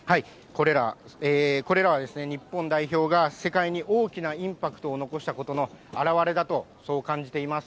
これらは日本代表が、世界に大きなインパクトを残したことの表れだと、そう感じています。